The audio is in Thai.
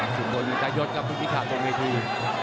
สุดบนมันจะยดกับมุมพิษาตรงในที่